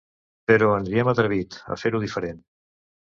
Però ens hi hem atrevit, a fer-ho diferent.